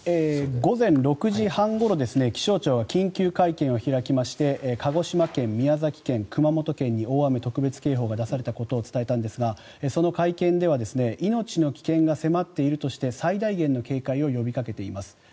午前６時半ごろ気象庁が緊急会見を開きまして鹿児島県、宮崎県、熊本県に大雨特別警報が出されたことを伝えたんですがその会見では命の危険が迫っているとして最大限の警戒を呼びかけています。